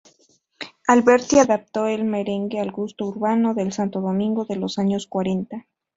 Alberti adaptó el merengue al gusto urbano del Santo Domingo de los años cuarenta.